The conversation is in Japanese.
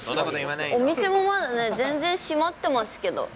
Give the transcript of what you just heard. お店もまだ全然閉まってますけど。